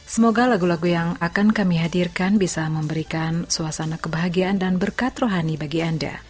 semoga lagu lagu yang akan kami hadirkan bisa memberikan suasana kebahagiaan dan berkat rohani bagi anda